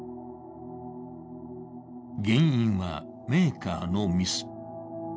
原因はメーカーのミス。